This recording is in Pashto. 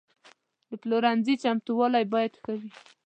د پلورنځي چمتووالی باید ښه وي.